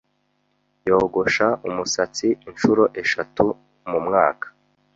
yogosha umusatsi inshuro eshatu mu mwaka.